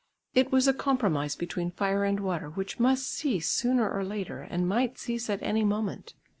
It was a compromise between fire and water which must cease sooner or later and might cease at any moment.